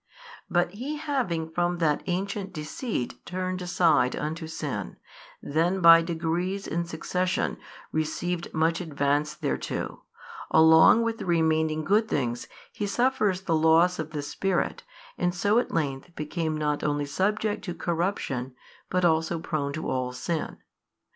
But he having from that ancient deceit turned aside unto sin, then by degrees in succession received much advance thereto, along with the remaining good things he suffers the loss of the Spirit and so at length became not only subject to corruption but also prone to all sin.